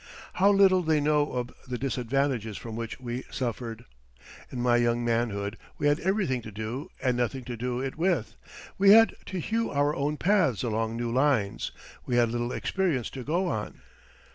How little they know of the disadvantages from which we suffered! In my young manhood we had everything to do and nothing to do it with; we had to hew our own paths along new lines; we had little experience to go on.